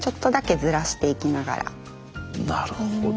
なるほど。